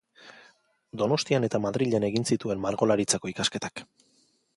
Donostian eta Madrilen egin zituen Margolaritzako ikasketak.